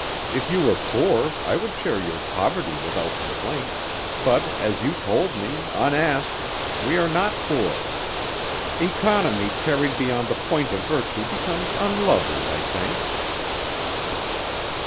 If you were poor, I would share your poverty without complaint, but as you told me, unasked, we are not poor. Economy carried beyond the point of virtue becomes unlovely, I think."